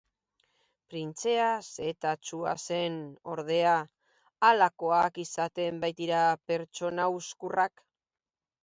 Printzea setatsua zen, ordea, halakoak izaten baitira pertsona uzkurrak.